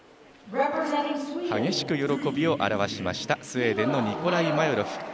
激しく喜びを表しましたスウェーデンのニコライ・マヨロフ。